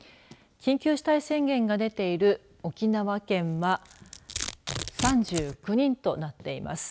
緊急事態宣言が出ている沖縄県は３９人となっています。